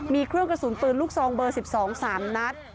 มีเครื่องกระสุนปืนลูกซองเบอร์๑๒๓นัด